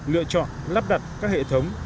lựa chọn lắp đặt các hệ thống